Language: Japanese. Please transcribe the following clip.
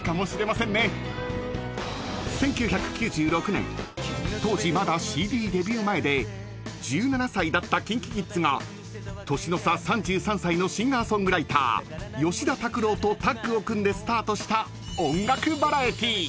［１９９６年当時まだＣＤデビュー前で１７歳だったＫｉｎＫｉＫｉｄｓが年の差３３歳のシンガー・ソングライター吉田拓郎とタッグを組んでスタートした］